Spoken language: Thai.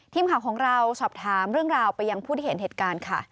ทีมข่าวของเราสอบถามเรื่องราวไปยังผู้ที่เห็นเหตุการณ์ค่ะ